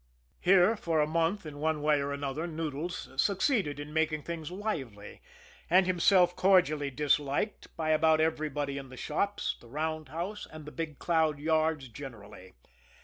Here, for a month, in one way or another, Noodles succeeded in making things lively, and himself cordially disliked by about everybody in the shops, the roundhouse, and the Big Cloud yards generally.